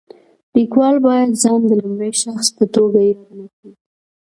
لیکوال باید ځان د لومړي شخص په توګه یاد نه کړي.